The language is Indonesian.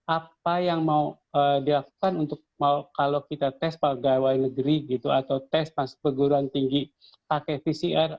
apa yang mau dilakukan untuk kalau kita tes pegawai negeri gitu atau tes masuk perguruan tinggi pakai pcr